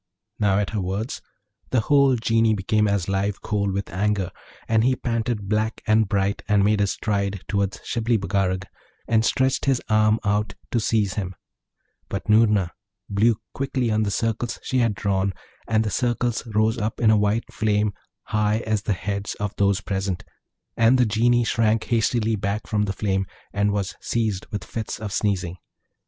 Now, at her words the whole Genie became as live coal with anger, and he panted black and bright, and made a stride toward Shibli Bagarag, and stretched his arm out to seize him; but Noorna, blew quickly on the circles she had drawn, and the circles rose up in a white flame high as the heads of those present, and the Genie shrank hastily back from the flame, and was seized with fits of sneezing.